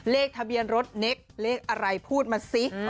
เลขทะเบียนรถเน็กเลขอะไรพูดมาสิ